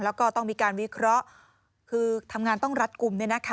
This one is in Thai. แล้วก็ต้องมีการวิเคราะห์คือทำงานต้องรัดกลุ่ม